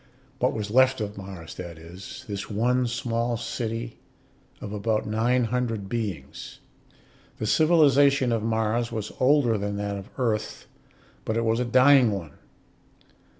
What was left of Mars, that is; this one small city of about nine hundred beings. The civilization of Mars was older than that of Earth, but it was a dying one.